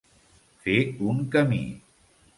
Fer un camí.